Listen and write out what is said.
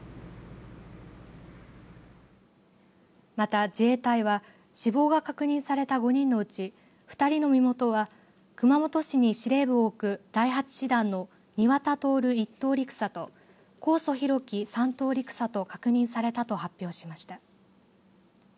また自衛隊は死亡が確認された５人のうち２人の身元は熊本市に司令部を置く第８師団の庭田徹１等陸佐と神尊皓基３等陸佐と確認されたと発表しました。